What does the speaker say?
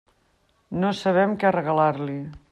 No sabem què regalar-li.